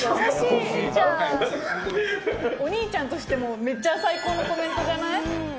お兄ちゃんとしてもめっちゃ最高のコメントじゃない？